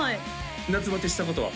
夏バテしたことは？